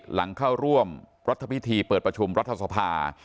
หลังเข้าร่วมรัฐพิธีเปิดประชุมรัฐสภา